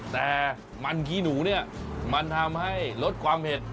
แต่มันขี้หนูเนี่ยมันทำให้ลดความเผ็ด